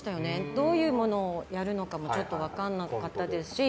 どういうものをやるのかもちょっと分かんなかったですし。